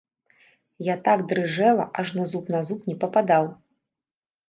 Я так дрыжэла, ажно зуб на зуб не пападаў.